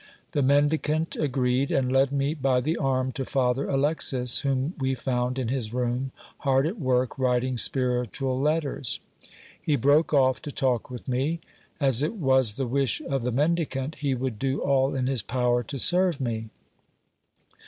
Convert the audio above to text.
The mendicant agreed, and led me by the arm to Father Alexis, whom we found in his room, hard at work, writing spiritual letters. He broke off to talk with me. As it was the wish of the mendicant, he would do all in his power to serve me.